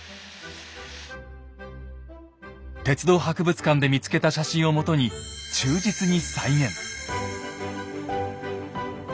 鉄道博物館で見つけた写真をもとに忠実に再現。